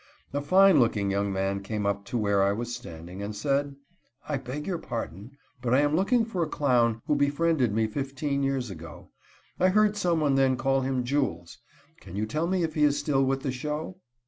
A fine looking young man came up to where I was standing, and said: "I beg your pardon, but I am looking for a clown who befriended me fifteen years ago. I heard someone then call him 'Jules.' Can you tell me if he is still with the show?"